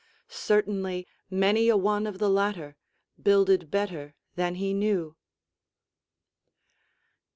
Certainly many a one of the latter "builded better than he knew."